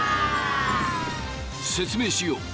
説明しよう！